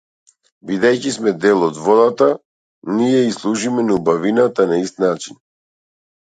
Бидејќи сме дел од водата, ние ѝ служиме на убавината на ист начин.